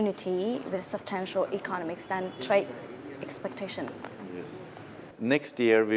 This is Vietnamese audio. vì vậy quý vị sẽ gặp quý vị trong tháng đếm và nhiều người